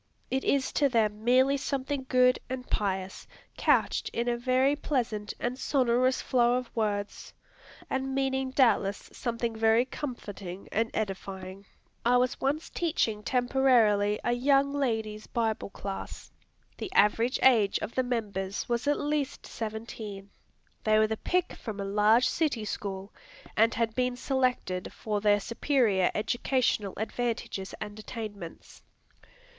It is to them merely something good and pious, couched in a very pleasant and sonorous flow of words, and meaning doubtless something very comforting and edifying. I was once teaching temporarily a young ladies' Bible Class. The average age of the members was at least seventeen. They were the pick from a large city school, and had been selected for their superior educational advantages and attainments.